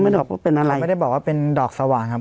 เขาไม่ได้บอกว่าเป็นอะไรเขาไม่ได้บอกว่าเป็นดอกสว่างครับ